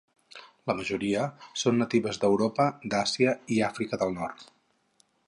La majoria són natives d'Europa, d'Àsia i d'Àfrica del Nord.